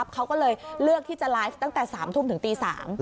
เขาก็เลยเลือกที่จะไลฟ์ตั้งแต่๓ทุ่มถึงตี๓